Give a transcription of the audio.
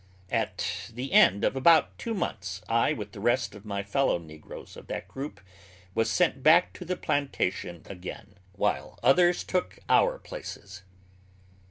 At the end of about two months, I, with the rest of my fellow negroes of that group, was sent back to the plantation again, while others took our places.